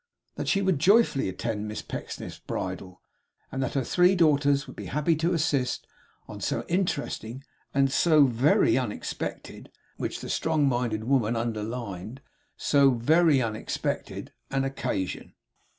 That she would joyfully attend Miss Pecksniff's bridal; and that her three dear daughters would be happy to assist, on so interesting, and SO VERY UNEXPECTED which the strong minded woman underlined SO VERY UNEXPECTED an occasion.